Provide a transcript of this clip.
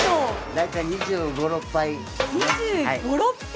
大体２５２６杯。